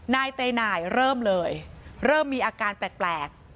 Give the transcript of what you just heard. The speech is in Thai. นายเตหน่ายเริ่มเลยเริ่มมีอาการแปลก